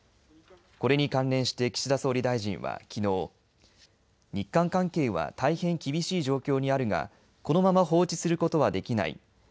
これに関連して岸田総理大臣はきのう、日韓関係は大変厳しい状況にあるがこのまま放置することはできない。